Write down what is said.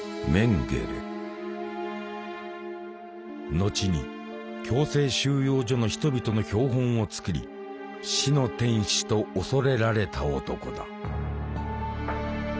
後に強制収容所の人々の標本を作り「死の天使」と恐れられた男だ。